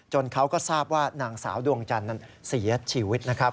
เขาก็ทราบว่านางสาวดวงจันทร์นั้นเสียชีวิตนะครับ